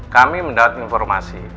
kami mendapat informasi